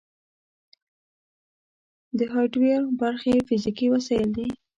د هارډویر برخې فزیکي وسایل دي.